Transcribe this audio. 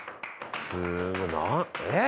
「すごいええっ？」